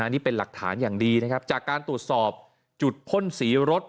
นี่เป็นหลักฐานอย่างดีนะครับจากการตรวจสอบจุดพ่นสีรถ